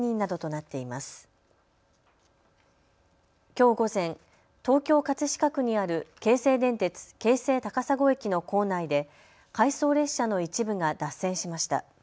きょう午前、東京葛飾区にある京成電鉄、京成高砂駅の構内で回送列車の一部が脱線しました。